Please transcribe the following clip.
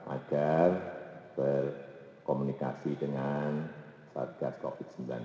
agar berkomunikasi dengan satgas covid sembilan belas ataupun menteri terkait